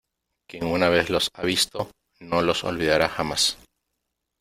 quien una vez los ha visto , no los olvidará jamás .